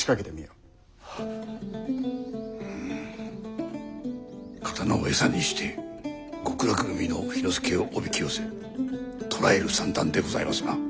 うん刀を餌にして極楽組の氷ノ介をおびき寄せ捕らえる算段でございますな。